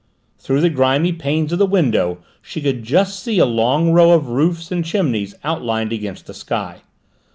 Through the grimy panes of the window she could just see a long row of roofs and chimneys outlined against the sky.